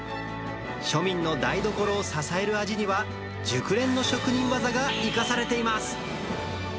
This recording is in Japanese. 庶民の台所を支える味には、熟練の職人技が生かされています。